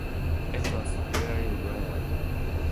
It was really weird.